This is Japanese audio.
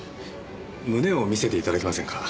胸を見せていただけませんか？